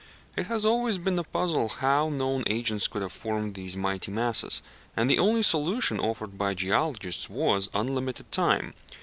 It has always been a puzzle how known agents could have formed these mighty masses, and the only solution offered by geologists was, unlimited time.